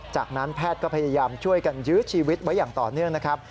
จากนั้นแพทย์ก็พยายามช่วยกันยื้อชีวิตไว้อย่างต่อเนื่องนะครับ